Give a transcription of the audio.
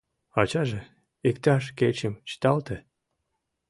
— Ачаже, иктаж кечым чыталте.